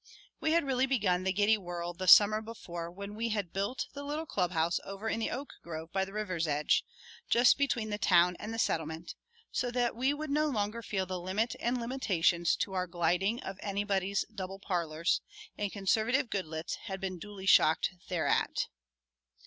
We had really begun the giddy whirl the summer before when we had built the little clubhouse over in the oak grove by the river's edge, just between the Town and the Settlement, so that we would no longer feel the limit and limitations to our gliding of anybody's double parlors, and conservative Goodloets had been duly shocked thereat.